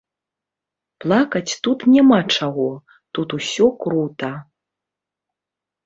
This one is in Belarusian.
Плакаць тут няма чаго, тут усё крута.